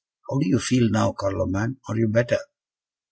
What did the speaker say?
How do you feel now, Carloman; are you better?"